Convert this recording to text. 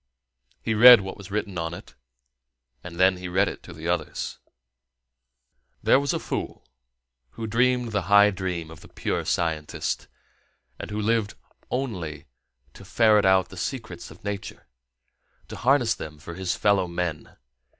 He read what was written on it, and then he read it to the others: There was a fool who dreamed the high dream of the pure scientist, and who lived only to ferret out the secrets of nature, and harness them for his fellow men.